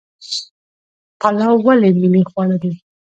پلاو ولې ملي خواړه دي؟